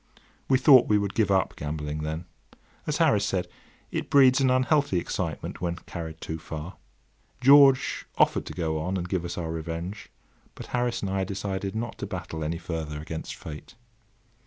We thought we would give up gambling then. As Harris said, it breeds an unhealthy excitement when carried too far. George offered to go on and give us our revenge; but Harris and I decided not to battle any further against Fate.